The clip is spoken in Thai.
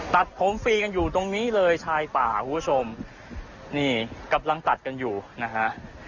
ตัดผมฟรีกันอยู่ตรงนี้เลยชายป่าคุณผู้ชมนี่กำลังตัดกันอยู่นะฮะ